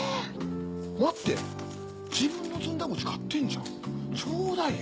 待って自分のずんだ餅買ってんじゃんちょうだいよ。